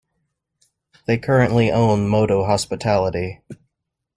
They currently own Moto Hospitality.